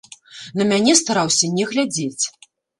На мяне стараўся не глядзець.